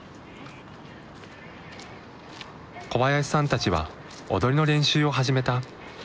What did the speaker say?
小林さんたちは踊りの練習を始めた。